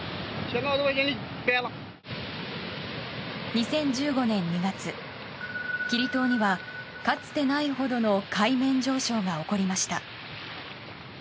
２０１５年２月、キリ島にはかつてないほどの海面上昇が起こりました。